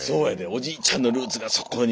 おじいちゃんのルーツがそこに。